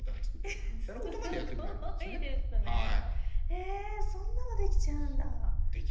へえそんなのできちゃうんだ。